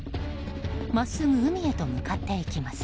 真っすぐ海へと向かっていきます。